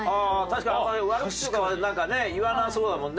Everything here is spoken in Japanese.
確かにあんまり悪口とかはなんかね言わなそうだもんね。